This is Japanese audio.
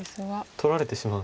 取られてしまう。